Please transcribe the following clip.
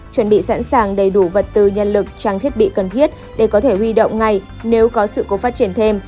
chuẩn bị sẵn sàng đầy đủ vật tư nhân lực trang thiết bị cần thiết để có thể huy động ngay nếu có sự cố phát triển thêm